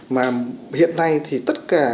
mà hiện nay thì tất cả